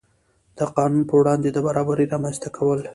د قانون په وړاندې د برابرۍ رامنځته کول.